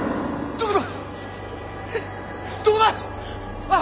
どこだ？